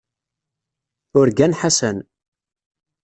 Urgan Ḥasan.